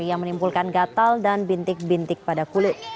yang menimbulkan gatal dan bintik bintik pada kulit